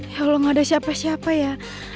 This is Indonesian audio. ya allah gak ada siapa siapa ya